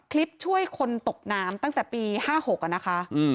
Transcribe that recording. คลิปช่วยคนตกน้ำตั้งแต่ปีห้าหกอ่ะนะคะอืม